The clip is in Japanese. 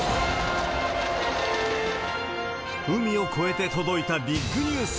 海を越えて届いたビッグニュース！